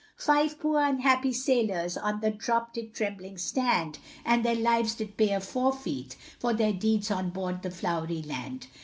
Five poor unhappy sailors On the drop did trembling stand, And their lives did pay a forfeit, For their deeds on board the Flowery Land.